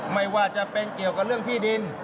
ไม่ว่าจะเป็นเกี่ยวกับเรื่องที่ดิน